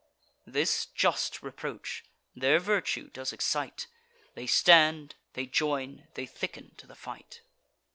This just reproach their virtue does excite: They stand, they join, they thicken to the fight.